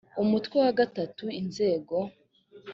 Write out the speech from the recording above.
umutwe wa gatatu inzego